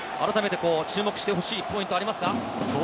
注目してほしいポイントはありますか？